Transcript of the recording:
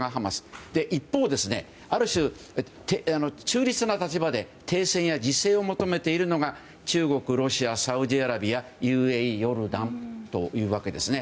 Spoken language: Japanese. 一方ある種、中立な立場で停戦や自制を求めているのが中国、ロシア、サウジアラビアＵＡＥ、ヨルダンですね。